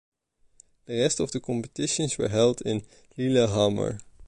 The rest of the competitions were held in Lillehammer.